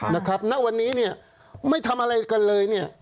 ณวันนี้เนี่ยไม่ทำอะไรกันเลยเนี่ย